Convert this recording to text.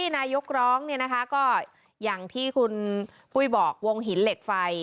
นายกร้องเนี่ยนะคะก็อย่างที่คุณปุ้ยบอกวงหินเหล็กไฟ